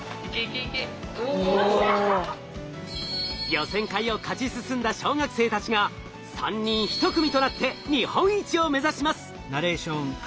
予選会を勝ち進んだ小学生たちが３人１組となって日本一を目指します。